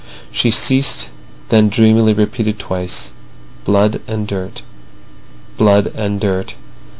She ceased, then dreamily repeated twice: "Blood and dirt. Blood and dirt."